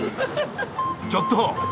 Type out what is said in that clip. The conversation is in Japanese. ちょっと。